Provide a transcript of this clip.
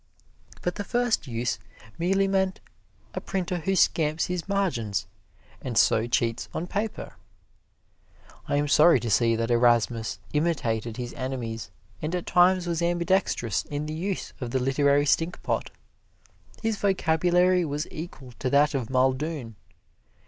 But the first use merely meant a printer who scamps his margins and so cheats on paper. I am sorry to see that Erasmus imitated his enemies and at times was ambidextrous in the use of the literary stinkpot. His vocabulary was equal to that of Muldoon.